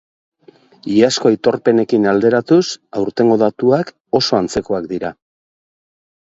Iazko aitorpenekin alderatuz, aurtengo datuak oso antzekoak dira.